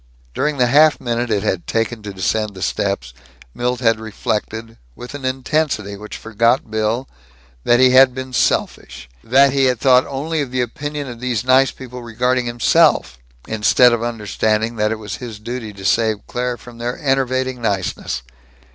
During the half minute it had taken to descend the steps, Milt had reflected, with an intensity which forgot Bill, that he had been selfish; that he had thought only of the opinion of these "nice people" regarding himself, instead of understanding that it was his duty to save Claire from their enervating niceness.